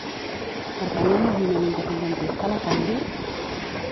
Pertany al moviment independentista la Candy?